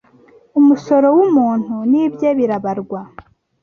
Umusoro w’umuntu nibye birabarwa